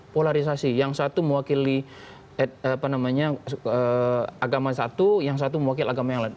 polarisasi yang satu mewakili apa namanya agama satu yang satu mewakili agama yang lain